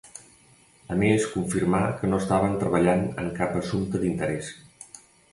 A més confirmà que no estaven treballant en cap assumpte d'interès.